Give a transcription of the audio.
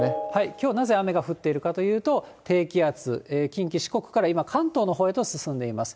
きょう、なぜ雨が降っているかというと、低気圧、近畿、四国から今関東のほうへと進んでいます。